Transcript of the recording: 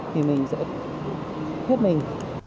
thì mình sẽ hết mình